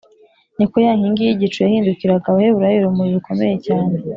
ni ko ya nkingi y’igicu yahindukiraga abaheburayo urumuri rukomeye cyane,